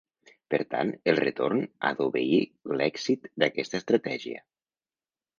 Per tant, el retorn ha d’obeir l’èxit d’aquesta estratègia.